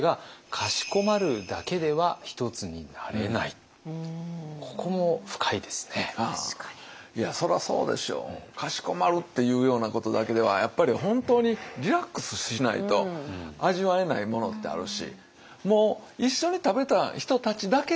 かしこまるっていうようなことだけではやっぱり本当にリラックスしないと味わえないものってあるし。